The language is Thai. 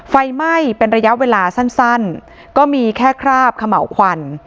ไฟไหม้เป็นระยะเวลาสั้นก็มีแค่คราบเขม่าวควัน